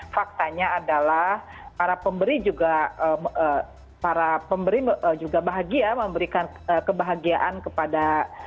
faktanya adalah para pemberi juga bahagia memberikan kebahagiaan kepada